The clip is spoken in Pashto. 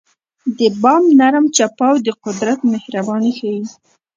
د باد نرم چپاو د قدرت مهرباني ښيي.